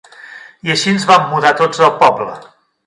I així ens vam mudar tots al poble.